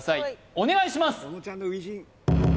お願いします